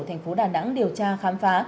thành phố đà nẵng điều tra khám phá